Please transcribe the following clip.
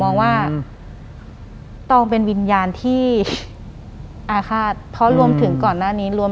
หลังจากนั้นเราไม่ได้คุยกันนะคะเดินเข้าบ้านอืม